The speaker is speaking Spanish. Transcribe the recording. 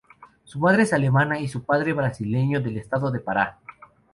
Su madre es alemana y su padre es brasileño del estado de Pará.